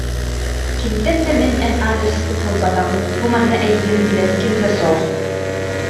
Кимтэн да мин эн аадырыскын ылбатаҕым, бу манна эйигин билэр ким да суох